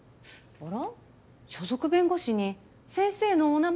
あら？